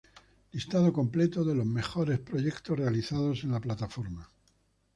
Listado completo de los mejores proyectos realizados en la plataforma.